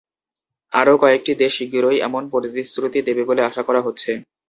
আরও কয়েকটি দেশ শিগগিরই এমন প্রতিশ্রুতি দেবে বলে আশা করা হচ্ছে।